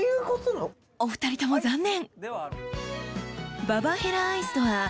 ［お二人とも残念！］